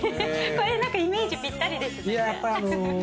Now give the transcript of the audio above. これ何かイメージぴったりです。